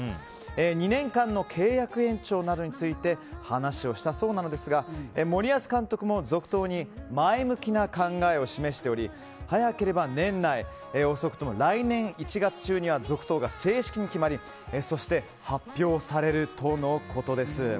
２年間の契約延長などについて話をしたそうなんですが森保監督も続投に前向きな考えを示しており早ければ年内遅くとも来年１月中には続投が正式に決まりそして、発表されるとのことです。